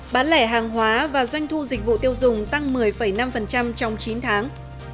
bán lẻ hàng hóa và doanh thu dịch vụ tiêu dùng tăng một mươi năm trong chín tháng